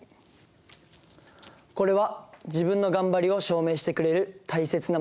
これは自分の頑張りを証明してくれる大切な物です。